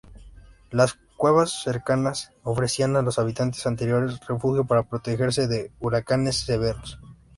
Las cuevas cercanas ofrecían a los habitantes anteriores refugio para protegerse de huracanes severos.